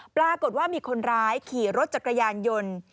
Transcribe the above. ปรากฏว่ามีคนร้ายขี่รถจักรยานยนต์